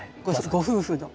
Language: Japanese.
ご夫婦の。